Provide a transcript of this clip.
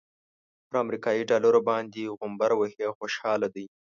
پر امريکايي ډالرو باندې غومبر وهي او خوشحاله دی.